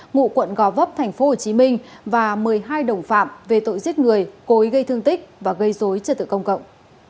ngụ quận gò vấp tp hcm và một mươi hai đồng phạm về tội giết người cối gây thương tích và gây dối cho tựa công cộng